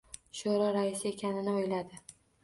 Sho‘ro raisi ekanini o‘yladi.